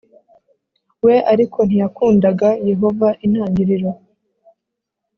We ariko ntiyakundaga yehova intangiriro